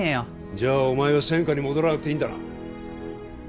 じゃあお前は専科に戻らなくていいんだな？